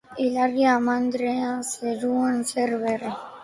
Ilargi amandrea, zeruan zer berri?